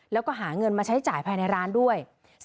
แล้วก็หาเงินมาใช้จ่ายภายในร้านด้วย